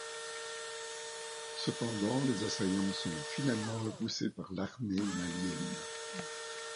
Cependant, les assaillants sont finalement repoussés par l'armée malienne.